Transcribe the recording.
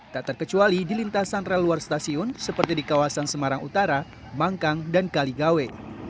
tak terkecuali di lintasan rel luar stasiun seperti di kawasan semarang utara mangkang dan kaligawe